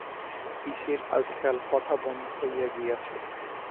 পিসির আজকাল কথা বন্ধ হইয়া গিয়াছে।